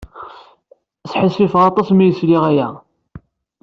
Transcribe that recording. Sḥissifeɣ aṭas imi ay sliɣ aya.